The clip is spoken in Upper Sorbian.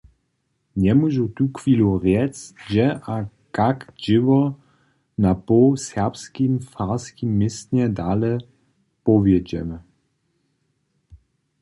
Njemóžu tuchwilu rjec, hdźe a kak dźěło na poł "serbskim" farskim městnje dale powjedźemy.